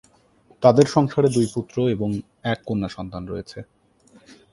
তাদের সংসারে দুই পুত্র এবং এক কন্যা সন্তান রয়েছে।